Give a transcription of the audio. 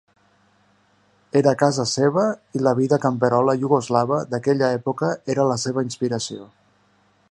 Era casa seva i la vida camperola iugoslava d'aquella època era la seva inspiració.